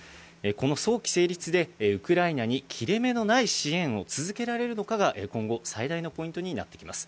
この早期成立で、ウクライナに切れ目のない支援を続けられるのかが、今後、最大のポイントになってきます。